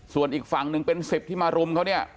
ส่วนอีกฝั่งหนึ่งเป็น๑๐ที่มารุมเขาเนี่ย